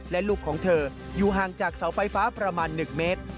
และลูกของเธออยู่ห่างจากเสาไฟฟ้าประมาณ๑เมตร